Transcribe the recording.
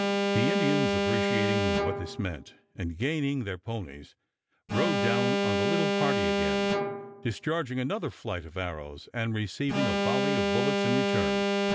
The Indians, appreciating what this meant, and gaining their ponies, rode down on the little party again, discharging another flight of arrows and receiving a volley of bullets in return.